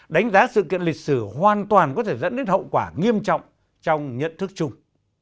đánh giá sự kiện lịch sử hoàn toàn có thể dẫn đến hậu quả nghiêm trọng trong nhận thức chung